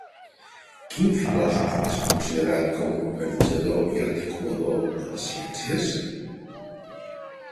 Quin filòsof és considerat com l'organitzador i articulador de les ciències?